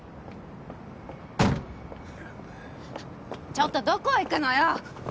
ちょっとどこ行くのよ！